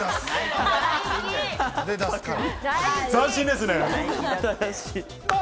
斬新ですね。